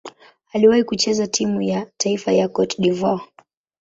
Aliwahi kucheza timu ya taifa ya Cote d'Ivoire.